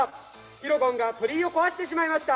ヒロゴンが鳥居を壊してしまいました。